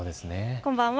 こんばんは。